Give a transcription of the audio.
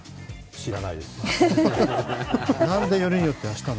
知らないです。